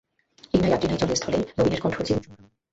দিন নাই রাত্রি নাই, জলে স্থলে নবীনের কঠোর জীবনসংগ্রাম।